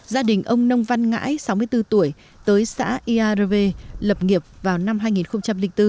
gia đình ông nông văn ngãi sáu mươi bốn tuổi tới xã iave lập nghiệp vào năm hai nghìn bốn